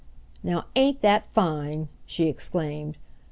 "Now, ain't dat fine!" she exclaimed.